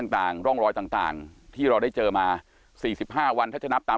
ต่างร่องรอยต่างที่เราได้เจอมา๔๕วันถ้าจะนับตาม